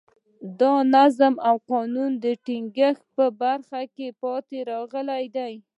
د نظم او قانون د ټینګښت په برخه کې پاتې راغلي دي.